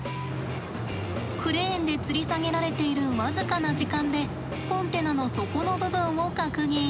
クレーンでつり下げられている僅かな時間でコンテナの底の部分を確認。